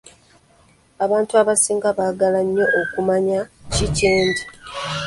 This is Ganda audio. Abantu abasinga baagala nnyo okumanya ki kyendi.